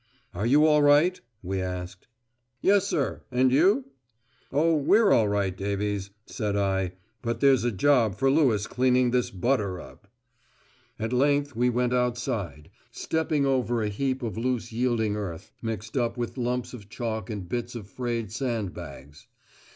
"Are you all right?" we asked. "Yessir. Are you?" "Oh, we're all right, Davies," said I. "But there's a job for Lewis cleaning this butter up." At length we went outside, stepping over a heap of loose yielding earth, mixed up with lumps of chalk and bits of frayed sand bags.